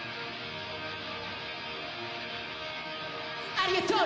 ありがとう！